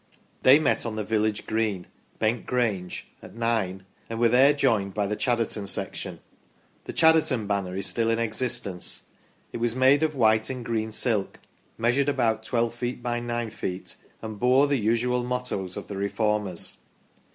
They met on the village green, Bent Grange, at nine, and were there joined by the Chadderton section. The Chadderton banner is still in existence. It was made of white and green silk, measured about 1 2 feet by 9 feet, and bore the usual mottoes of the Reformers.